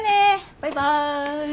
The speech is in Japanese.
バイバイ。